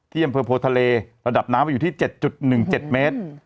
อำเภอโพทะเลระดับน้ำอยู่ที่๗๑๗เมตร